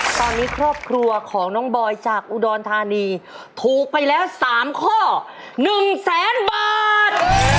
ตอนนี้ครอบครัวของน้องบอยจากอุดรธานีถูกไปแล้ว๓ข้อ๑แสนบาท